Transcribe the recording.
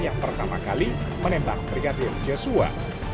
yang pertama kali menembak brigadir joshua